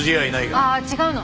ああ違うの。